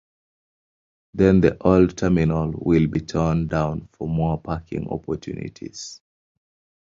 Then the old terminal will be torn down for more parking opportunities.